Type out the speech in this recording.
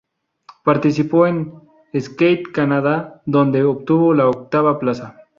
Participó en Skate Canada donde obtuvo la octava plaza.